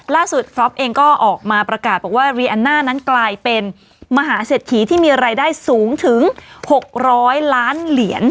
ล่าสุดฟรอปเองก็ออกมาประกาศบอกว่าเรียน่านั้นกลายเป็นมหาเสร็จขี่ที่มีรายได้สูงถึงหกร้อยล้านเหรียญ